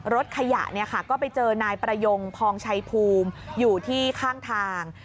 รถขยะก็ไปเจอนายประยงพองชัยภูมิอยู่ที่ข้างทาง